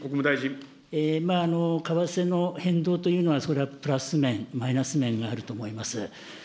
為替の変動というのは、それはプラス面、マイナス面があると思います。